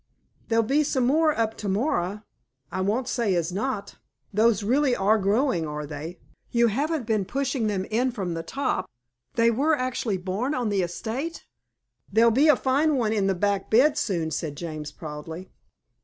"There'll be some more up to morrow, I won't say as not." "Those really are growing, are they? You haven't been pushing them in from the top? They were actually born on the estate?" "There'll be a fine one in the back bed soon," said James proudly.